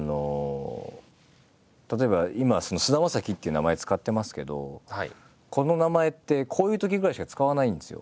例えば今「菅田将暉」っていう名前使ってますけどこの名前ってこういうときぐらいしか使わないんですよ。